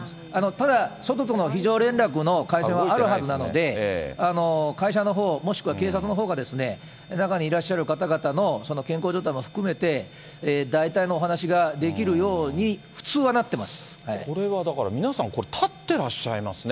ただ、外との非常連絡の回線はあるはずなので、会社のほう、もしくは警察のほうが、中にいらっしゃる方々の健康状態も含めて、大体のお話ができるように、これはだから皆さん、これ、立ってらっしゃいますね。